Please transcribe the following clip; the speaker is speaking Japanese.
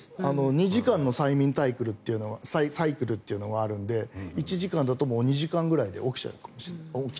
２時間の睡眠サイクルというのがあるので１時間だと、２時間ぐらいで起きちゃうかもしれない。